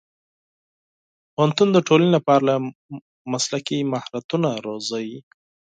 پوهنتون د ټولنې لپاره مسلکي مهارتونه روزي.